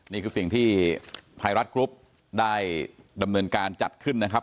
นี่คือสิ่งที่ไทยรัฐกรุ๊ปได้ดำเนินการจัดขึ้นนะครับ